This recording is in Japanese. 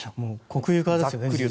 国有化ですよね。